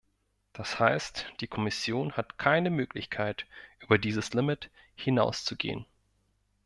Das heißt, die Kommission hat keine Möglichkeit, über dieses Limit hinauszugehen.